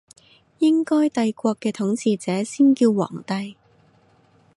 應該帝國嘅統治者先叫皇帝